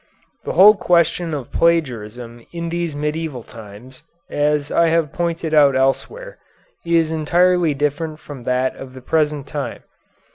The whole question of plagiarism in these medieval times, as I have pointed out elsewhere, is entirely different from that of the present time.